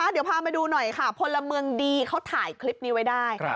เดี๋ยวพามาดูหน่อยค่ะพลเมืองดีเขาถ่ายคลิปนี้ไว้ได้